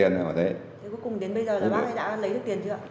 thế cuối cùng đến bây giờ là bác đã lấy được tiền chưa ạ